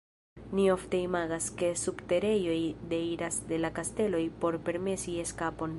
Ni ofte imagas, ke subterejoj deiras de la kasteloj por permesi eskapon.